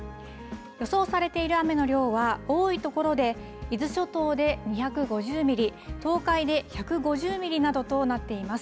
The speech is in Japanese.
予想されている雨の量は多い所で伊豆諸島で２５０ミリ、東海で１５０ミリなどとなっています。